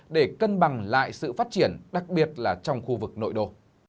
để cân bằng lại sự phát triển đặc biệt là trong khu vực nội đô